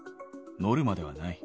ノルマではない。